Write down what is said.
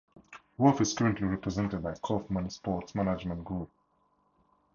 Wolf is currently represented by Kauffman Sports Management Group.